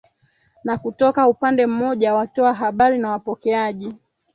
Na kutoka upande mmoja watoa habari na wapokeaji